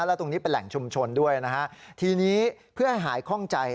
แล้วตรงนี้เป็นแหล่งชุมชนด้วยนะฮะทีนี้เพื่อให้หายคล่องใจ